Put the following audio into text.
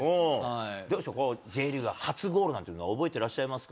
どうでしょう、Ｊリーグ初ゴールなんていうのは覚えてらっしゃいますか。